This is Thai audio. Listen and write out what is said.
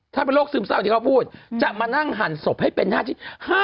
ถ้าเป็นโรคซึมเศร้าที่เขาพูดจะมานั่งหั่นศพให้เป็นหน้าที่